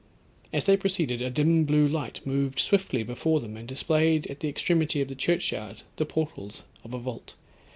As they proceeded, a dim blue light moved swiftly before them, and displayed at the extremity of the churchyard the portals of a vault.